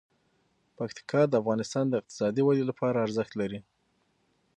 پکتیکا د افغانستان د اقتصادي ودې لپاره ارزښت لري.